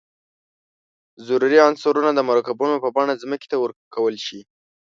ضروري عنصرونه د مرکبونو په بڼه ځمکې ته ورکول شي.